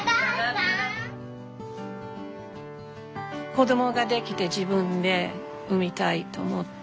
子供ができて自分で産みたいと思って。